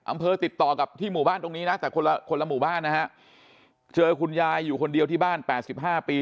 ติดต่อกับที่หมู่บ้านตรงนี้นะแต่คนละคนละหมู่บ้านนะฮะเจอคุณยายอยู่คนเดียวที่บ้าน๘๕ปี